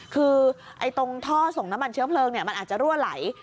คือตรงท่อส่งน้ำมันเชื้อเพลิงมันอาจจะรั่วไหล